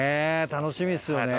楽しみですよね。